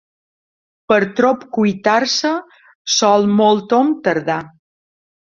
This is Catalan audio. Per trop cuitar-se, sol molt hom tardar.